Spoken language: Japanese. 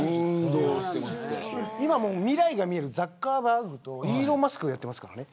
今はもう未来が見えるザッカーバーグとイーロン・マスクもやってますからね